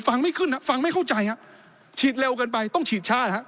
ฟังไม่ขึ้นฟังไม่เข้าใจฉีดเร็วเกินไปต้องฉีดช้า